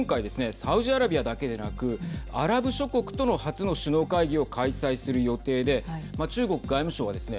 サウジアラビアだけでなくアラブ諸国との初の首脳会議を開催する予定で中国外務省はですね